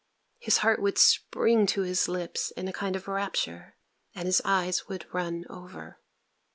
_" his heart would spring to his lips in a kind of rapture, and his eyes would run over.